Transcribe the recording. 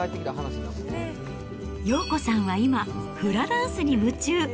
洋子さんは今、フラダンスに夢中。